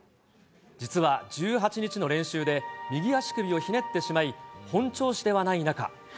実は１８日の練習で、右足首をひねってしまい、本調子ではない中。